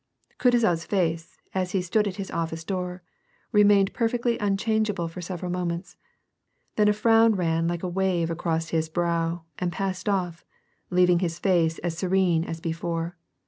Kutuzofs face, as he stood at his office door, remained per fectly unchangeable for several moments. Then a frown ran like a wave across his brow, and passed off, leaving his face as serene as before.